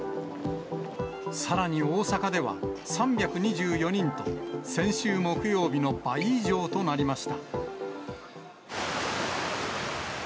さらに大阪では、３２４人と先週木曜日の倍以上となりました。